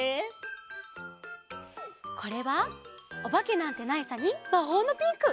これは「おばけなんてないさ」に「魔法のピンク」。